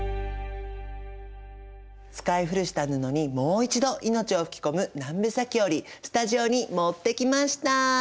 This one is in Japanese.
使い古した布にもう一度命を吹き込む南部裂織スタジオに持ってきました！